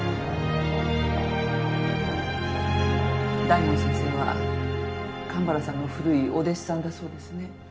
大門先生は神原さんの古いお弟子さんだそうですね。